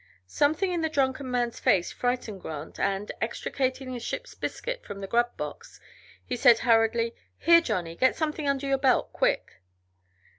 Something in the drunken man's face frightened Grant and, extracting a ship's biscuit from the grub box, he said, hurriedly: "Here, Johnny. Get something under your belt, quick."